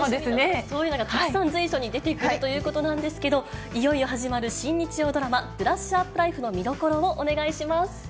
そういうのがたくさん随所に出てくるということなんですけど、いよいよ始まる新日曜ドラマ、ブラッシュアップライフの見どころをお願いします。